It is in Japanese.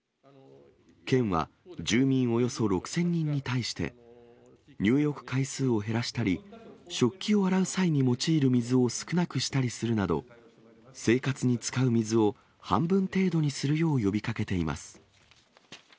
県は、住民およそ６０００人に対して、入浴回数を減らしたり、食器を洗う際に用いる水を少なくしたりするなど、生活に使う水を半分程度にするよう呼びかけています。